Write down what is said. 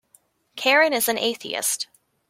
Karen is an atheist.